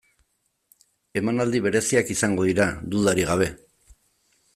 Emanaldi bereziak izango dira, dudarik gabe.